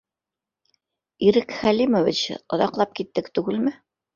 — Ирек Хәлимович, оҙаҡлап киттек түгелме?